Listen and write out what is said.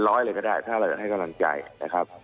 เลยก็ได้ถ้าลองให้กำลังใจนะครับ